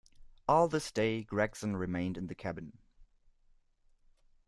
All this day Gregson remained in the cabin.